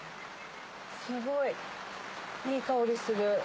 すごいいい香りする。